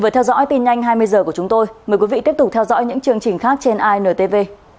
vừa theo dõi tin nhanh hai mươi h của chúng tôi mời quý vị tiếp tục theo dõi những chương trình khác trên intv